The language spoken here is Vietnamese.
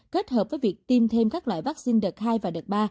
kết hợp với việc tiêm thêm các loại vaccine đợt hai và đợt ba